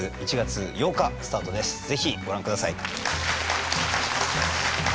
是非ご覧ください。